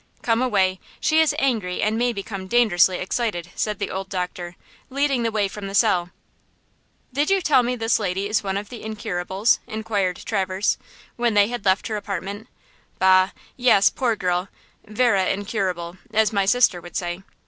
"Come away; she is angry and may become dangerously excited," said the old doctor, leading the way from the cell. "Did you tell me this lady is one of the incurables?" inquired Traverse, when they had left her apartment. "Bah! yes, poor girl, vera incurable, as my sister would say."